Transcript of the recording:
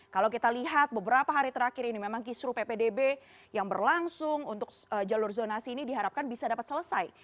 kalau kita lihat beberapa hari terakhir ini memang kisru ppdb yang berlangsung untuk jalur zonasi ini diharapkan bisa dapat selesai